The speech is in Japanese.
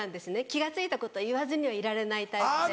気が付いたことは言わずにはいられないタイプで。